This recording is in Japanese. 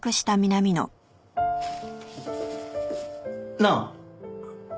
なあ！